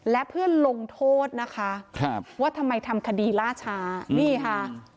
และเพื่อลงโทษนะคะครับว่าทำไมทำคดีล่าช้านี่ค่ะ